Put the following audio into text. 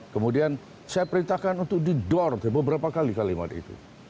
kemudian saya perintahkan untuk didor beberapa kali kalimat itu